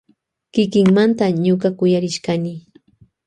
Ñuka karuyashkani kikimanta.